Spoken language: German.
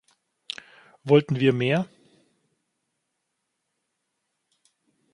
Wollten wir mehr?